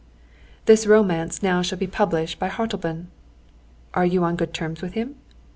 "This romance now shall be published by Hartleben." "Are you on good terms with him?"